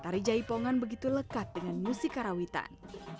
tari jaipongan begitu lekat dengan musik karawitan